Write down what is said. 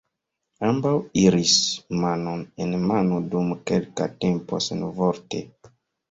Ambaŭ iris manon en mano dum kelka tempo, senvorte.